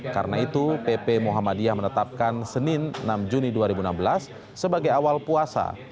karena itu pp muhammadiyah menetapkan senin enam juni dua ribu enam belas sebagai awal puasa